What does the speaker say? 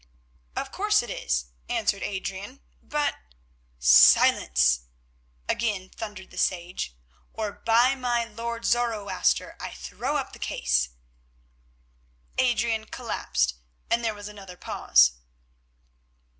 "Of course it is," answered Adrian, "but——" "Silence!" again thundered the sage, "or by my Lord Zoroaster, I throw up the case." Adrian collapsed, and there was another pause.